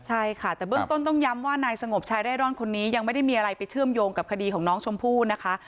ใช่ค่ะแต่เบื้องต้นต้องย้ำว่านายสงบชายเร่ร่อนคนนี้ยังไม่ได้มีอะไรไปเชื่อมโยงกับคดีของน้องชมพู่นะคะ